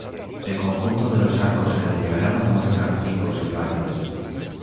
El conjunto de los arcos en el diagrama muestran picos y valles.